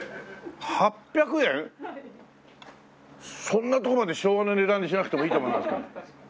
そんなとこまで昭和の値段にしなくてもいいと思いますけど。